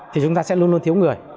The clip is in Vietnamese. thì chúng ta sẽ luôn luôn thiếu người